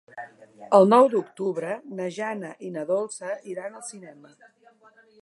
El nou d'octubre na Jana i na Dolça iran al cinema.